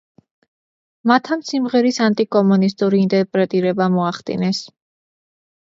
მათ ამ სიმღერის ანტიკომუნისტური ინტერპრეტირება მოახდინეს.